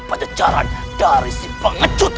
pada jalan dari si pengecut